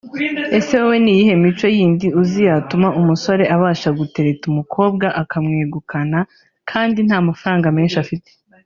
Ese wowe ni iyihe mico yindi uzi yatuma umusore abasha gutereta umukobwa akamwegukana kandi nta mafaranga menshi afite